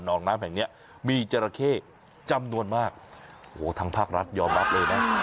น้องน้ำแห่งเนี้ยมีจราเข้จำนวนมากโอ้โหทางภาครัฐยอมรับเลยนะ